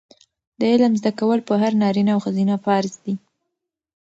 د علم زده کول په هر نارینه او ښځینه فرض دي.